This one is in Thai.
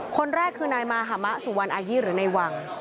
คนแรกคือนายมาหามะสุวรรณอายี่หรือในวัง